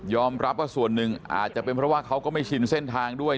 รับว่าส่วนหนึ่งอาจจะเป็นเพราะว่าเขาก็ไม่ชินเส้นทางด้วย